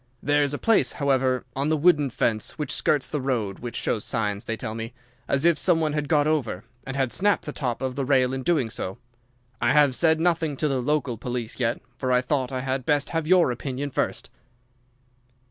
There's a place, however, on the wooden fence which skirts the road which shows signs, they tell me, as if some one had got over, and had snapped the top of the rail in doing so. I have said nothing to the local police yet, for I thought I had best have your opinion first."